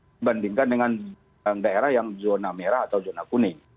dibandingkan dengan daerah yang zona merah atau zona kuning